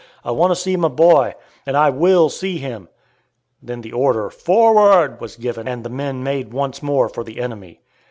I want to see my boy, and I will see him!" Then the order, "Forward!" was given and the men made once more for the enemy.